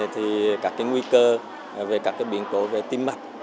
thì các cái nguy cơ về các cái biện cố về tim mật